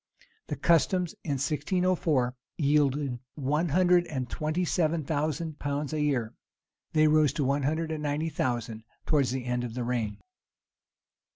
The customs in 1604 yielded one hundred and twenty seven thousand pounds a year: [] they rose to one hundred and ninety thousand towards the end of the reign.